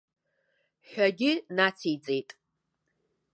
Ҳәагьы нациҵеит.